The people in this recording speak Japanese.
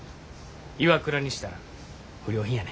ＩＷＡＫＵＲＡにしたら不良品やね。